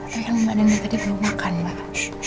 tapi yang mbak andien tadi belum makan mbak